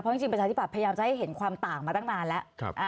จริงประชาธิบัตย์พยายามจะให้เห็นความต่างมาตั้งนานแล้ว